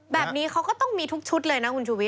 แบบนี้เขาก็ต้องมีทุกชุดเลยนะคุณชูวิท